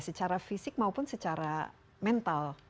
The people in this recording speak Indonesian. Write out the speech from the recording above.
secara fisik maupun secara mental